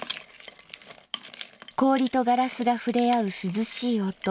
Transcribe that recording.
「氷とガラスがふれあう涼しい音。